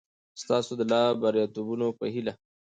ستاسو د لا بریالیتوبونو په هیله!